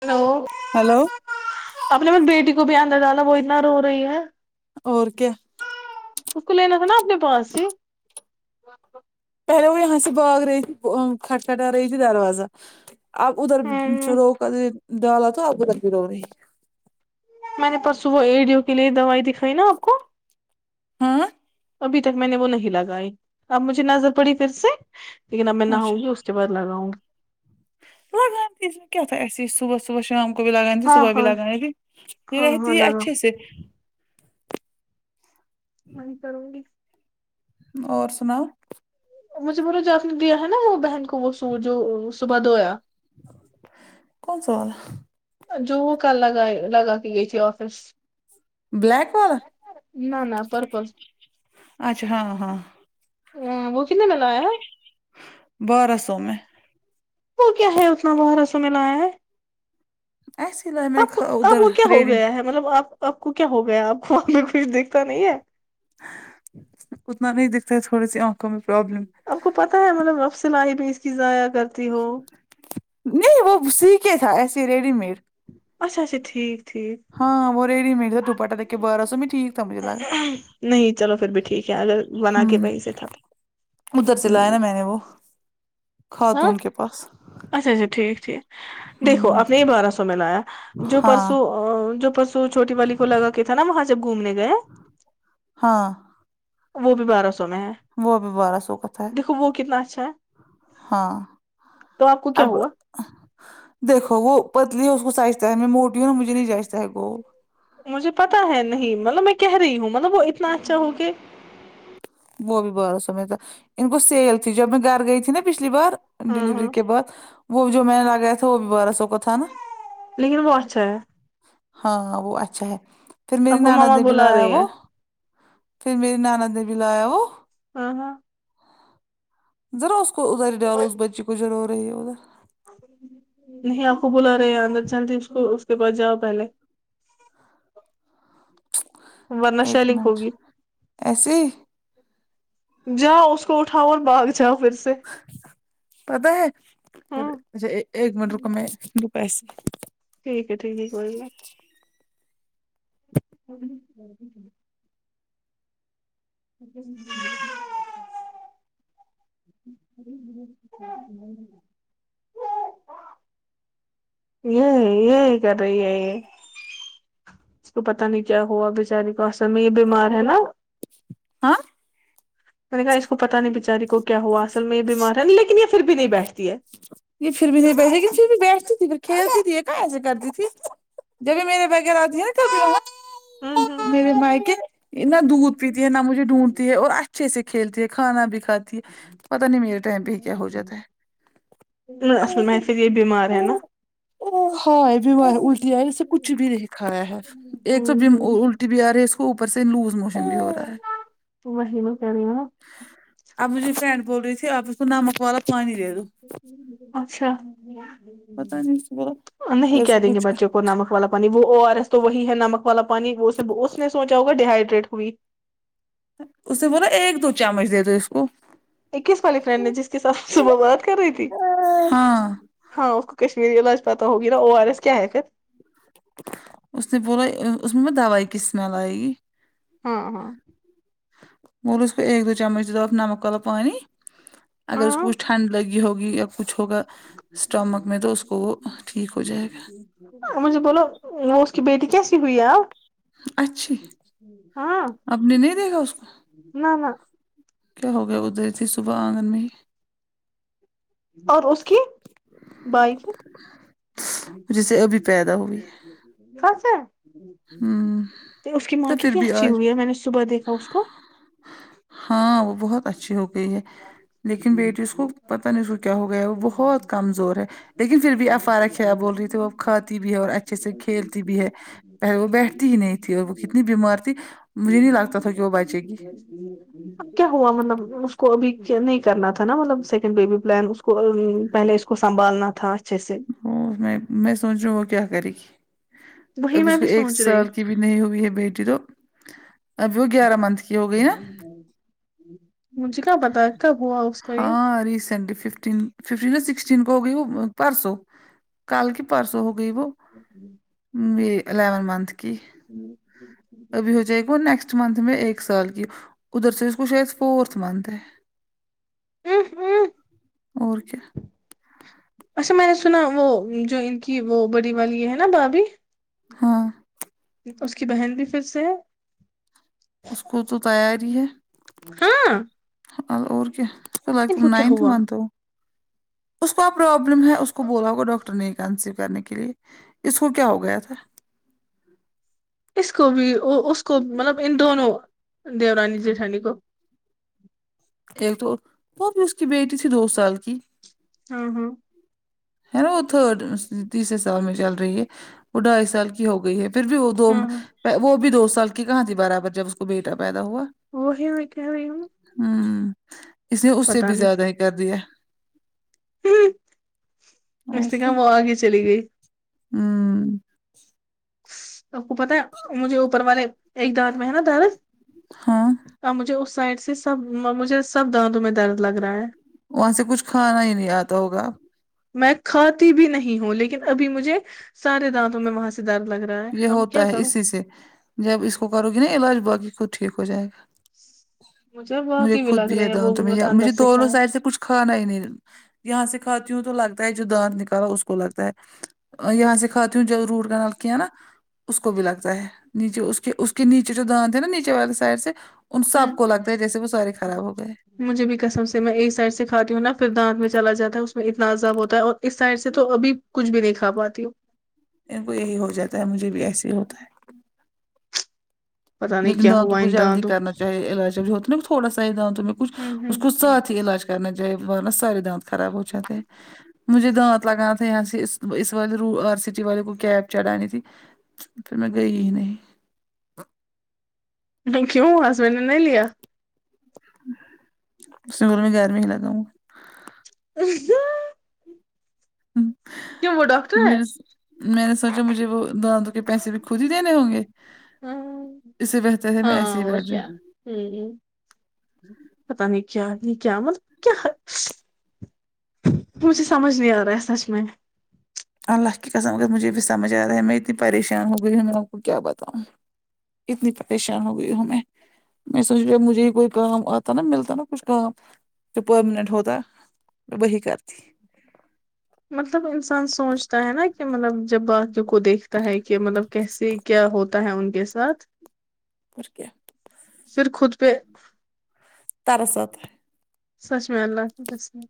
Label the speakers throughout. Speaker 1: hello
Speaker 2: hello
Speaker 1: آپ نے بیٹی کو بھیان د ڈالا وہ اتنا رو رہی ہے
Speaker 2: اور کیا
Speaker 1: اس کو لینا تھا نا اپنے پاس سے
Speaker 2: پہ یہاں سے بغر تھ کھٹ پٹہ رٮو تھ دروازہ اب ادھر
Speaker 1: ہوں
Speaker 2: رو کر ڈالا تو اپ ادھر بھی رو رہی
Speaker 1: میں نے پرس وہ ایڈیو کے لیے دوائی دکھائی نا آپ کو
Speaker 2: ہاں
Speaker 1: ابھی تک میں نے وہ نہیں لگائی اب مجھے نظر پڑی پھر سے لیکن اب میں نہ
Speaker 2: اچھا
Speaker 1: ہوں گی اس پر لگاؤں
Speaker 2: لگان میں کی کیاتاتسسی صبح صبح شام کو بھی لگانی تے
Speaker 1: ہاں
Speaker 2: صبح بھی
Speaker 1: ہاں
Speaker 2: لگانی تھی یہ
Speaker 1: ہاں ہاں
Speaker 2: رہتی ہے
Speaker 1: لگاؤ
Speaker 2: اچھے سے
Speaker 1: ہم کروں بھی
Speaker 2: اور سناؤ
Speaker 1: مجھے بولے جو آپ نے دیا ہے نا وہ بہن کو وہ سوٹ جو صبح دھویا
Speaker 2: کون سال
Speaker 1: جو وہ کل لگا لگا کی گئی تھی آفس
Speaker 2: بلیک وال
Speaker 1: نہ نہ پرپل
Speaker 2: اچھا ہاں ہاں
Speaker 1: ہاں وہ کتنے می آیا
Speaker 2: بارہ سو میں
Speaker 1: وہ کیا ہے اتنا برسوں میں لایا ہے
Speaker 2: ایسیے می
Speaker 1: آپ
Speaker 2: نے
Speaker 1: آپ
Speaker 2: ادھر
Speaker 1: کو کیا ہو
Speaker 2: ریڑی
Speaker 1: گیا ہے مطلب آپ آپ کو کیا ہو گیا آپ کو آ میں کچھ دیکھتا نہیں ہے
Speaker 2: اتنا نہیں دکھتا ہے تھوڑی سی آنکھوں میں پرابلم
Speaker 1: آپ کو پتاہ ہے مطلب اب سلائی بھی اس کی ضائع کرتی ہو
Speaker 2: نہیں وہ سیکھے تھا ایسے ہی ریڈی میڈ
Speaker 1: اچھا اچھا ٹھیک ٹھیک
Speaker 2: ہاں وہ ریڈی میڈ دوپٹہ دیکھ کے بارہ سو میں ٹھیک تھا مجھے لگا
Speaker 1: نہیں چلو پھر بھی ٹھیک ہے اگر بنا
Speaker 2: ہوں
Speaker 1: کے وہیں سے تھا
Speaker 2: ادھر سے لایا نا میں نے وہ
Speaker 1: ہاں
Speaker 2: خاتون کے پاس
Speaker 1: اچھا اچھا ٹھیک ٹھیک دیکھو
Speaker 2: ہوں
Speaker 1: آپ نے یہ بارہ سو میں لایا جو
Speaker 2: ہاں
Speaker 1: پرسو جو پرسو تو چھوٹی والی کو لگا تھا نا وہاں جب گھومنے گئے
Speaker 2: ہاں
Speaker 1: وہ بھی بارہ سو میں ہے
Speaker 2: وہ ابھی بارہ سو کا تھا ہے
Speaker 1: دیکھو وہ کتنا اچھا ہے
Speaker 2: ہاں
Speaker 1: تو آپ کو کیا
Speaker 2: اب
Speaker 1: ہوا
Speaker 2: دیکھو وہ پتلی ہے اس کو جائچتا تھا ہے میں موٹی ہوں نا مجھے نہیں جائچتا ہے گول
Speaker 1: مجھے پتا ہے نہیں مطلب میں کہہ رہی ہوں مطلب وہ اتنا اچھا ہو کہ
Speaker 2: وہ بھی بارہ سو میں تھا ان کو سیل تھی جب میں گھر گئی تھی نا پچھلی بار
Speaker 1: ہاں
Speaker 2: ڈیلیوری
Speaker 1: ہاں
Speaker 2: کے بعد وہ جو میں نے لگایا تھا وہ بھی بارہ سو کا تھا نا
Speaker 1: لیکن وہ اچھا ہے
Speaker 2: ہاں وہ اچھا ہے پھر
Speaker 1: آپ
Speaker 2: میری
Speaker 1: کو
Speaker 2: نانا
Speaker 1: ماما
Speaker 2: نے بھی
Speaker 1: بلا
Speaker 2: دلوایا
Speaker 1: رہی ہے
Speaker 2: وہ پھر میری نانا نے بھی لایا وہ
Speaker 1: ہاں ہاں
Speaker 2: ذرا اس کو ادھر ڈالو اس بچی کو ضرور ہے ادھر
Speaker 1: نہیں آپ کو بلا رہے اندر چلتی اس کو اس کے پاس جاؤ پہلے ورنہ
Speaker 2: ایک
Speaker 1: شیلگ
Speaker 2: منٹ
Speaker 1: ہوگی
Speaker 2: ایسے ہی
Speaker 1: جاؤ اس کو اٹھاؤ اور باگ جاؤ پھر سے
Speaker 2: پتا ہے پھر
Speaker 1: ہوں
Speaker 2: اچھا ایک منٹ رکو میں رپیس
Speaker 1: ٹھیک ہے ٹھیک ہے کوئی ن [inaudible] یہ یہ کر رہی ہے اس کو پتا نہیں کیا ہوا بیچاری کا اسل میں یہ بیمار ہے نا
Speaker 2: ہاں
Speaker 1: میں نے کہا اس کو پتا نہیں بےچاری کو کیا ہوا اصل میں یہ بیمار ہے نہیں لیکن یہ پھر بھی نہیں بیٹھتی ہے
Speaker 2: یہ پھر بھی نہیں بیٹھےن پھر بھی بیٹھتی تھی پھر کھیلتی تھی ایسے کرتی تھی جب میرے بغیر آتی ہے نا کبھی وہ میرے بھائی کے نہ دودھ پیتی ہے نہ مجھے ڈھونڈتی ہے اور اچھ اچھے سے کھیلتی ہے کھانا بھی کھاتی ہے پت نہیں میرے ٹائم پہ ہی کیا ہو جاتا ہے
Speaker 1: [unintelligible] پھر یہ بیمار ہے نا
Speaker 2: ا ہاں بھیو الٹی آ اسسے کچھ بھی نہیں کھایا ہے ایک تو
Speaker 1: ہوں ہوں
Speaker 2: بھی آ رہ ہے اس کو اوپر سے لوز موشن بھی ہو رہا ہے
Speaker 1: وہ ہییم کر رہیما
Speaker 2: اب مجھے فرینڈ بول رہی تھی آپ اس کو نمک والا پانی دے دو
Speaker 1: اچھا
Speaker 2: پتہ نہیں اس کو بولا اگر
Speaker 1: نہیں
Speaker 2: اس
Speaker 1: کہ
Speaker 2: کو
Speaker 1: دیں گے
Speaker 2: کچھ
Speaker 1: بچوں کو نمک والا پانی وہ او آر ایس تو وہی ہے نمک والا پانی اس نے سوچا ہوگا ڈییہڈریٹ ہو
Speaker 2: اسے بولا ایک دو چمچ دے دو اس کو
Speaker 1: اکیس والی فرینڈ نے جس کے ساتھ صبح بات کر رہی تھی
Speaker 2: ہاں
Speaker 1: ہاں اس کو کشمیری علاج پتا ہوگی نا او آر ایس کیا ہے پھر
Speaker 2: اس نے بولا اس میں دوائی کی اسمیل آئے گی
Speaker 1: ہاں ہاں
Speaker 2: اور اس ایک دو چمچ درنمک والا پانی اگر اس کو کچھ
Speaker 1: ہاں
Speaker 2: ٹھنڈا لگی ہوا ہوگی یا کچھ ہوگا اسٹامک میں تو اس کو وہ ٹھیک ہو جائے گا
Speaker 1: مجھے بولو وہ اس کی بیٹی کیسی ہوئی ہے ہاں
Speaker 2: گا اچھی
Speaker 1: ہاں
Speaker 2: آپ نے نہیں دیکھا اس کو
Speaker 1: نہ نہ
Speaker 2: کیا ہو گیا ادھر تھی صبح آنگن میں ہی
Speaker 1: اور اس کی بائی تھی
Speaker 2: جسے ابھی پیدا ہوئی
Speaker 1: سچ
Speaker 2: ہمم
Speaker 1: ہے اس کی ماں
Speaker 2: تو پھر
Speaker 1: کتنی
Speaker 2: بھی
Speaker 1: اچھی
Speaker 2: آج
Speaker 1: ہوئی ہے میں نے صبح دیکھا اس کو
Speaker 2: ہاں وہ بہت اچھی ہو گئی ہے لیکن بیٹی اس کو پتہ نہیں اس کو کیا ہو گیا ہے وہ بہت کمزور ہے لیکن پھر بھی افارک ہے اب بول رہی تھی وہ کھاتی بھی ہے اور اچھے سے کھیلتی بھی ہے پہلے وہ بیٹھتی ہی نہیں تھی اور وہ کتنی بیمار تھی مجھے نہیں لگتا تھا کہ وہ بچے گی
Speaker 1: کیا ہوا مطلب کو ابھی نہیں کرنا تھا نا مطلب سیکنڈ بیبی پلان اس کو پہلے اس کو سنبھالنا تھا اچھے سے
Speaker 2: وہ میں میں سوچ رہا ہوں وہ کیا کرے گی
Speaker 1: وہی
Speaker 2: اب
Speaker 1: میں
Speaker 2: اس کو
Speaker 1: بھی
Speaker 2: ایک
Speaker 1: سوچ رہی
Speaker 2: سال کی بھی نہیں ہوئی ہے بیٹی تو اب وہ گیارہ منتھ کی ہو گئی نا
Speaker 1: مجھے کیا پتا کب ہوا اس کو یہ
Speaker 2: ہاں ریسینٹلی ففٹین ففٹین سکسٹین کو ہو گئی وہ پرسو کال کی پرسو ہو گئی وہ ہمم الیونت منتھ کی
Speaker 1: ہوں
Speaker 2: ابھی ہو جائے وہ نیکسٹ منتھ میں ایک سال کی ادھر سے اس کچھ فورتھ منتھ ہے اور کیا
Speaker 1: اچھا میں نے سنا وہ جو ان کی وہ بڑی والی ہے نا بھابھی
Speaker 2: ہاں
Speaker 1: اس کی بہن بھی پھر سے ہے
Speaker 2: اس کو تو تیاری ہے
Speaker 1: ہاں
Speaker 2: اور کیا ل
Speaker 1: ان
Speaker 2: تم
Speaker 1: کو کیا
Speaker 2: نائنتھ
Speaker 1: ہوا
Speaker 2: منتھ ہو اس کو پروابلم ہے اس کو بولا ہوگا ڈاکٹر نہیں کنسیو کرنے کے لیے اس کو کیا ہو گیا تھا
Speaker 1: اس کو بھی اس کو مطلب ان دونوں دیورانی جیٹھانی کو
Speaker 2: ایک تو وہ بھی اس کی بیٹی تھی دو سال کی
Speaker 1: ہاں ہاں
Speaker 2: ہے نا وہ تو تیسرے سال میں چل رہی ہے وہ ڈھائی سال کی ہو گئی ہے پھر بھی وہ دو
Speaker 1: ہاں ہاں
Speaker 2: وہ بھی دو سال کی کہاں تھی برابر جب اس کو بیٹا پیدا ہوا
Speaker 1: وہ ہے میں کہ رہی ہو
Speaker 2: ہوں اس نے اس سے بھی زیادہ ہی کر دیا
Speaker 1: نہیں اس کہ وہ آگ چلی گئی
Speaker 2: ہاں
Speaker 1: آپ کو پتا ہے مجھے اوپر والے ایک دانت میں ہے نا درد
Speaker 2: ہاں
Speaker 1: اب مجھے اس سائڈ سے سب مجھے سب دانتوں میں درد لگ رہا ہے
Speaker 2: وہاں سے کچھ کھانا ہی نہیں آتا ہوگا
Speaker 1: میں کھاتی بھی نہیں ہوں لیکن ابھی مجھے سارے دانتوں میں وہاں سے درد لگ رہا ہے
Speaker 2: یہ
Speaker 1: اب کیا
Speaker 2: ہوتا ہے
Speaker 1: کروں
Speaker 2: اسی سے جب اس کو کرو گی نا علاج باقی خود ٹھیک ہو جائے گا مجھے
Speaker 1: واقعی
Speaker 2: خود
Speaker 1: لگ
Speaker 2: بھی
Speaker 1: رہے
Speaker 2: ہے
Speaker 1: ہیں وہ
Speaker 2: دانت
Speaker 1: مت
Speaker 2: یا
Speaker 1: اندر
Speaker 2: مجھے
Speaker 1: سے
Speaker 2: دونوں سائڈ
Speaker 1: کھائے
Speaker 2: سے کچھ کھانا ہی نہیں یہاں سے کھاتی ہوں تو لگتا ہے جو دانت نکالا اس کو لگتا ہے یہاں سے کھاتے ہو جہاں روٹ کنال تھی نا اس کو بھی لگتا ہے نیچے اس کے اس کے نیچے جو دانت تھے نا نیچے والے سائڈ سے ان سب کو لگتا ہے جیسے وہ سارے خراب ہو گئے
Speaker 1: مجھے بھی کسم سے میں ایک سائڈ سے مجھے بھی قسم سے میں ایک ساییڈ سے کھاتی ہوں نا پھر دانت میں چلا جاتا ہے اس میں اتنا عذاب ہوتا ہے اور اس سائڈ سے تو ابھی کچھ بھی نہیں کھا پاتی ہوں
Speaker 2: میر کو یہی ہو جاتا ہے مجھے بھی ایسے ہی ہوتا ہے
Speaker 1: پتا نہیں
Speaker 2: لیکن
Speaker 1: کیا
Speaker 2: دنوں
Speaker 1: ہوا
Speaker 2: کوئی
Speaker 1: ان
Speaker 2: جلد
Speaker 1: دانتوں
Speaker 2: کرناہا چاہے علاج ہو نا تھوڑا سا ہی دانتوں میں کچ اس کو ساتھ ہی علاج کرنا چاہےا سارے دانت خراب ہو تھ مجھے دانت لگانا تھا یہاں سے اس والے آر سٹی والے کو کیب چڑھانی تھی پھر میں گئی ہی نہیں
Speaker 1: [unintelligible]
Speaker 2: سکول میں گییر م لگاؤں گا
Speaker 1: ہنں ہوں تو
Speaker 2: م میں نے سوچا مجھے وہ د دو کے پیسے بھی خود ہی دینے ہوں گے
Speaker 1: ہے
Speaker 2: اس سے بہتر ہے میں
Speaker 1: ہاں
Speaker 2: ایسے ہی
Speaker 1: اور
Speaker 2: بیٹھ جاو
Speaker 1: کیا پتا نہیں کیا نہیں کیا مطلب کیا مجھے سمجھ نہیں آرا رہا ہے سچ میں
Speaker 2: اللہ کی قسم مگر مجھے بھی سجھ رہا ہے میں اتنی پریشان ہو گئی ہوں میں لوگ کو کیا بتاؤں اتنی پریشان ہو گئی ہوں میں میں سوچ مجھے ہی کوئی کام آتا نا ملتا نا کچھ کام جو پرماننٹ ہوتا میں وہی کرتی
Speaker 1: مطلب انسان سوچتا ہے نا کہ مطلب جب بات جو کو دیکھتا ہے کہ مطلب کیسے کیا ہوتا ہے ان کے ساتھ
Speaker 2: اور کیا
Speaker 1: پھر خود پہ
Speaker 2: تر س آتا ہے
Speaker 1: سچ میں اللہ کی قسم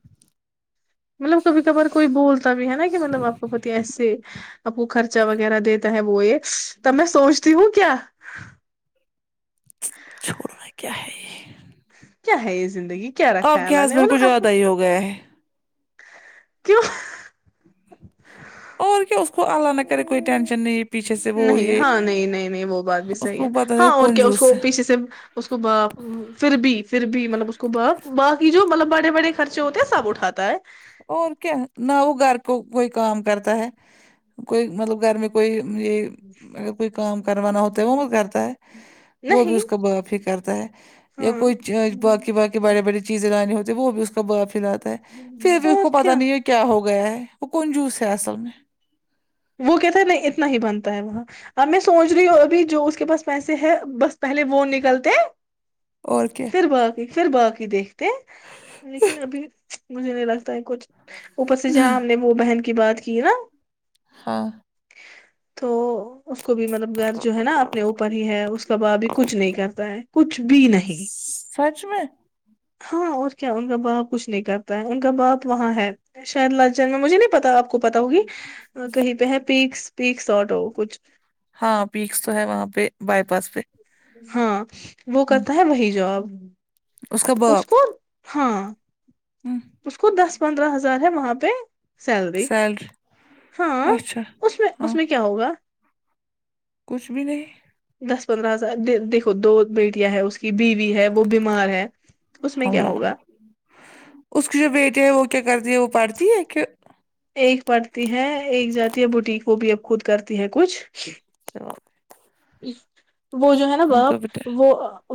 Speaker 1: مطلب بھی کبار کوئی بولتا بھی ہے نا کہ مطلب آپ کو پتی ایسے آپ کو خرچا وغیرہ دیتا ہے وہ ایک تب میں سوچتی ہوں کیا
Speaker 2: چھوڑنا کیا ہے یہ
Speaker 1: کیا کیا ہےے زندگی کیا رکھا
Speaker 2: آپ کے
Speaker 1: اللہ نے
Speaker 2: ہسبینڈ کو
Speaker 1: مطلب اصل
Speaker 2: زیادہ ہی ہو گیا ہے
Speaker 1: کیوں
Speaker 2: اور کیا اس کو اللہ نہ کرے کوئی ٹینشن نہیں پیچھے سے وہ
Speaker 1: نہیں
Speaker 2: یہ
Speaker 1: ہاں نہیں نہیں نہیں وہ بات بھی
Speaker 2: اس
Speaker 1: صحیح
Speaker 2: کو
Speaker 1: ہے
Speaker 2: پتا
Speaker 1: ہاں
Speaker 2: وہ
Speaker 1: اور کیا اس
Speaker 2: کنجوس
Speaker 1: کو
Speaker 2: ہے
Speaker 1: پیچھے سے اس کو باپ پھر بھی پھر بھی مطلب اس کو باپ باقی جو مطلب بڑے بڑے خرچے ہوتے ہیں سب اٹھاتا ہے
Speaker 2: اور کیا نہ وہ گھر کو کوئی کام کرتا ہے کوئی مطلب گھر میں کوئی یہ اگر کوئی کام کروانا ہوتا ہے وہ مت کرتا ہے وہ بھی
Speaker 1: نہیں
Speaker 2: اس کا معافی کرتا ہے یا
Speaker 1: ہاں
Speaker 2: کوئی باقی باقی بڑے بڑی چیزیں لانی ہوتی وہ بھی اس کا بافلاتا ہے پھر بھی اس کو پت نہیں ہو کہ کیا ہو گیا ہے وہ کون جوس ہے اصل میں
Speaker 1: وہ کہتا ہیں ہے نہیں اتنا ہی بنتا ہے وہاں اب میں سوچ رہی ہوں ابھی جو اس کے پاس پیسے ہے بس پہلے وہ نکلتے
Speaker 2: اور کیا
Speaker 1: پھر باقی پھر باقی دیکھتے ہیں لیکن ابھی مجھے نہیں لگتا ہے کچھ اوپر سے جہاں ہم نے وہ بہن کی بات کی نا
Speaker 2: ہاں
Speaker 1: تو اس کو بھی مطلب گھر جو ہے نا اپنے اوپر ہی ہے اس کا با بھی کچھ نہیں کرتا ہے کچھ بھی نہیں
Speaker 2: سچ میں
Speaker 1: ہاں اور کیا ان کا باپ کچھ نہیں کرتا ہے ان کا باپ وہاں ہے شہید لج جنگ میں مجھے نہیں پتا آپ کو پت ہوگی کہیں پہ ہے پیکس پیک ساٹ ہو کچھ
Speaker 2: ہاں پیکس تو ہے وہاں پہ بائی پاس پہ
Speaker 1: ہاں وہ
Speaker 2: ہمم
Speaker 1: کرتا ہے وہی جوب اس پر ہاں
Speaker 2: ہوں
Speaker 1: اس کو دس پندرہ ہزار ہے وہاں پہ سیلری ہاں
Speaker 2: اچھا
Speaker 1: اس میں اس
Speaker 2: ہاں
Speaker 1: میں کیا ہوگا
Speaker 2: کچھ بھی نہیں
Speaker 1: دس پندرہ ہزار دیکھو دو بیٹیاں ہیں اس کے کی بیوی ہے وہ بیمار ہے اس میں کیا
Speaker 2: اللہ
Speaker 1: ہوگا
Speaker 2: اس کی جو بیٹی ہیں وہ کیا کرتی ہے وہ پڑھتی ہے کہ
Speaker 1: ایک پڑتی ہے ایک جاتی ہے بوٹیک وہ بھی اب خود کرتی ہے کچھ
Speaker 2: تو
Speaker 1: وہ جو ہے نا
Speaker 2: کا بیٹا،
Speaker 1: باپ وہ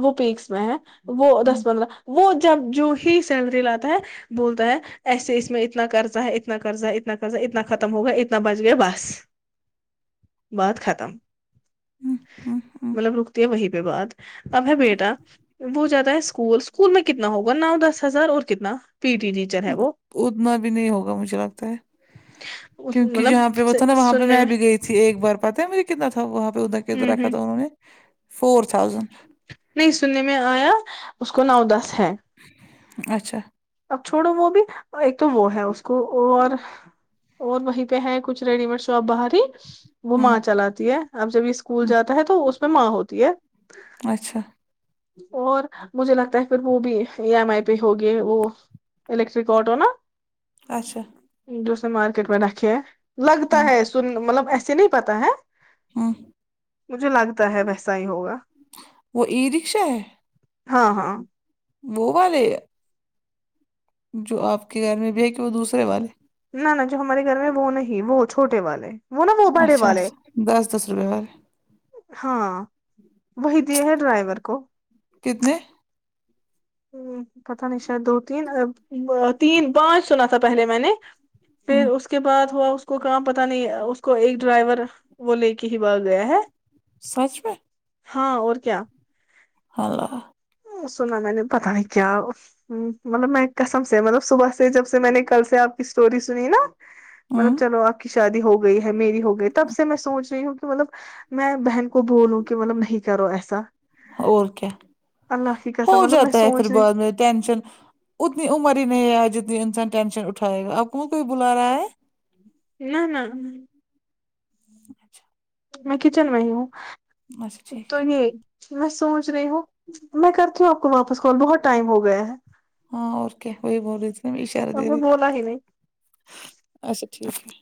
Speaker 1: وہ پیکس میں ہے وہ
Speaker 2: ہم،
Speaker 1: دس پندرہ وہ جب جو ہی سیلری لاتا ہے بولتا ہے ایسے اس میں اتنا قرضہ ہے اتنا قرضہ ہے اتنا کرضا اتنا ختم ہو گیا اتنا بچ گیا بس بات ختم
Speaker 2: ہم، ہم، ہم،
Speaker 1: مطلب رکتی ہے وہی پہ بعد اب ہے بیٹا وہ زیادہ ہے اسکول اسکول میں کتنا ہوگا نو دس ہزار اور کتنا پی ٹی ڈی
Speaker 2: اتنا بھی نہیں ہوگا مجھے لگتا ہے کیونک
Speaker 1: مطلب
Speaker 2: جہاں پہ وہ تھا نا وہاں پہ میں بھی گئی تھی ایک بار پتاہ ہے مجھے کتنا تھا وہاں پہ ادھر کے
Speaker 1: ہ
Speaker 2: ادھر
Speaker 1: ہ
Speaker 2: رکھا تھا انہوں نے فور تھازینڈ
Speaker 1: نہیں سننے میں آیا اس کو نو دس ہے
Speaker 2: اچھا
Speaker 1: اب چھوڑو وہ بھی ایک تو وہ ہے اس کو اور اور وہیں پہ ہے کچھ ریڈی میڈ سوپ باہری وہ ماں
Speaker 2: ہمم
Speaker 1: چلاتتی ہے اب جب یہ اسکول جاتا ہے تو اس میں ماں ہوتی ہے
Speaker 2: اچھا
Speaker 1: اور مجھے لگتا ہے پھر وہ بھی ای ایم آئی پہ ہوگئے وہ الیکٹرک آٹو نا
Speaker 2: اچھا
Speaker 1: جو اس نے مارکیٹ میں رکھے ہے لگتا
Speaker 2: ہمم
Speaker 1: ہے سن مطلب ایسے نہیں پتا ہے
Speaker 2: ہاں
Speaker 1: مجھے لگتا ہے ویسا ہی ہوگا
Speaker 2: وہ ای رکشا ہے
Speaker 1: ہاں ہاں
Speaker 2: وہ والے جو آپ کے گھر میں بھی ہے کہ وہ دوسرے والے
Speaker 1: نہ نہ جو ہمارے گھر میں وہ نہیں وہ چھوٹے والے وہ نا وہ بڑے
Speaker 2: اچھا اچھ
Speaker 1: والے
Speaker 2: دس دس روپے وال
Speaker 1: ہاں وہی دی ہیں ڈرائیور کو
Speaker 2: کتنے
Speaker 1: ہ پت نہیں شاید دو تین تین پانچ سنا تھا پہلے میں نے پھر
Speaker 2: ہوں
Speaker 1: اس اس کے بعد ہوا اس کو کہاں پت نہیں اس کو ایک ڈرائیور وہ لے کے ہی باگ گیا ہے
Speaker 2: سچ میں
Speaker 1: ہاں اور کیا
Speaker 2: ہیلو
Speaker 1: سنا میں نے پتا نہیں کیا مطلب میں قسم سے مطلب صبح سے جب سے میں نے کل سے آپ کی اسٹوری سنی نا مطلب
Speaker 2: ہوں
Speaker 1: چلو آپ کی شادی ہو گئی ہے میری ہو گئی تب سے میں سوچ رہی ہوں کہ مطلب میں بہن کو بولوں کہ مطلب نہیں کرو ایسا
Speaker 2: اور کیا
Speaker 1: اللہ کی قسم
Speaker 2: ہو
Speaker 1: مطلب میں
Speaker 2: جاتا ہے پھر
Speaker 1: سوچ رہی
Speaker 2: بعد میں ٹینشن اتنی عمر ہی نہیں ہے آج جتنی انسان ٹینشن اٹھائے گا آپ کو کوئی بلا رہا ہے
Speaker 1: نہ نہ
Speaker 2: اچھا
Speaker 1: میں کچن میں ہی ہوں
Speaker 2: اچھا ٹھیک
Speaker 1: تو
Speaker 2: ہے
Speaker 1: یہ میں سوچ رہی ہوں میں کرتی ہوں آپ کو واپس کال بہت ٹائم ہو گیا ہے
Speaker 2: ہاں اور کیا وہی بول رہی تھی میں اشارہ
Speaker 1: آپ
Speaker 2: دے
Speaker 1: نے
Speaker 2: رہی تھی
Speaker 1: بولا ہی نہیں
Speaker 2: اچھا ٹھیک ہے